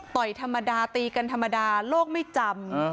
ยธรรมดาตีกันธรรมดาโลกไม่จำ